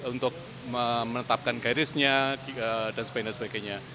untuk menetapkan garisnya dan sebagainya